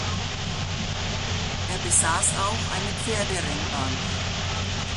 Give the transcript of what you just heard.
Er besaß auch eine Pferderennbahn.